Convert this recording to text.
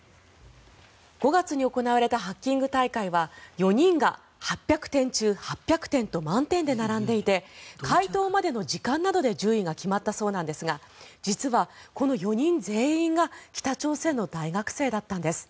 ５月に行われたハッキング大会は４人が８００点中８００点と満点で並んでいて回答までの時間などで順位が決まったそうなんですが実は、この４人全員が北朝鮮の大学生だったんです。